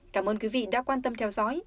cảm ơn quý vị đã quan tâm theo dõi